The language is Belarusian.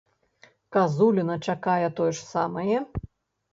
Казуліна чакае тое ж самае?